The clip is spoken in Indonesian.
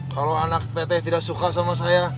kalau anak teteh tidak suka sama saya